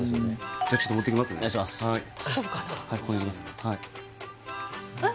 じゃあちょっと持ってきますねはいえっ